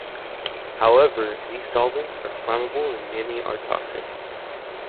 However, these solvents are flammable and many are toxic.